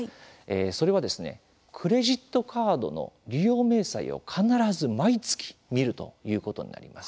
それは、クレジットカードの利用明細を必ず毎月見るということになります。